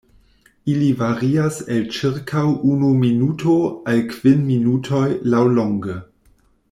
Ili varias el ĉirkaŭ unu minuto al kvin minutoj laŭlonge.